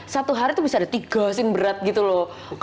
satu hari itu bisa ada tiga scene berat gitu loh